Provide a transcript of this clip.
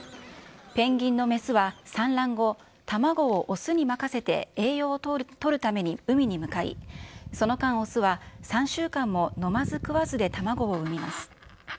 ペンギンの雌は産卵後、卵を雄に任せて栄養をとるために海に向かい、その間、雄は３週間も飲まず食わずで卵を産みます。